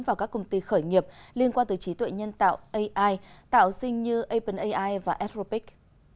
và các công ty khởi nghiệp liên quan tới trí tuệ nhân tạo ai tạo sinh như openai và atropic